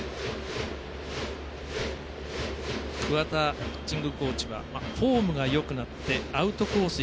桑田ピッチングコーチはフォームがよくなってアウトコース